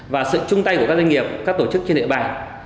và sự chung tay của các doanh nghiệp các tổ chức trên địa bàn